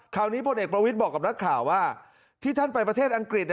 พลเอกประวิทย์บอกกับนักข่าวว่าที่ท่านไปประเทศอังกฤษ